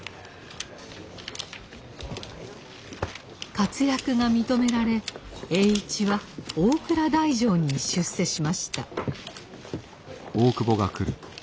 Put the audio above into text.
活躍が認められ栄一は大蔵大丞に出世しました。